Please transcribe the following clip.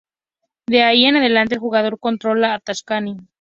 De ahí en adelante el jugador controla a Takahashi.